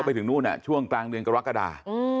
มันไปถึงช่วงกลางเดือนกรกฎา